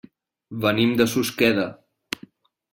Venim de Susqueda.